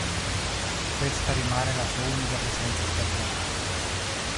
Questa rimane la sua unica presenza stagionale.